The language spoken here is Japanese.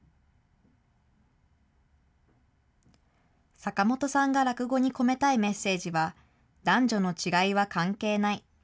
阪本さんが落語に込めたいメッセージは、男女の違いは関係ない。